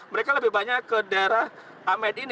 mereka lebih banyak ke daerah amed ini